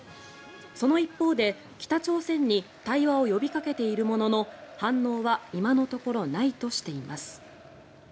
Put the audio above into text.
その一方で北朝鮮に対話を呼びかけているものの反応は今のところないとしています。